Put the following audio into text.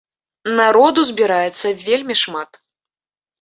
Народу збіраецца вельмі шмат!